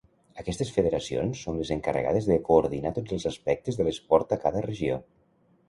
Aquestes federacions són les encarregades de coordinar tots els aspectes de l'esport a cada regió.